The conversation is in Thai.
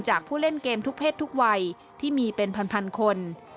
ผู้เล่นเกมทุกเพศทุกวัยที่มีเป็นพันคน